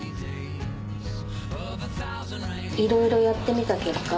いろいろやってみた結果